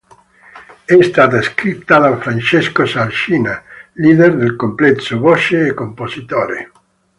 È stata scritta da Francesco Sarcina, leader del complesso, voce e compositore.